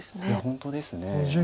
いや本当ですね。